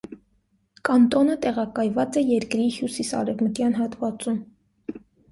Կանտոնը տեղակայված է երկրի հյուսիսարևմտյան հատվածում։